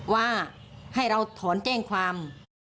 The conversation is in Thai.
ว่าให้เราถอนแจ้งความ